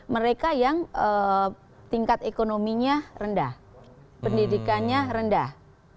mereka yang tingkat ekonominya rendah pendidikannya rendah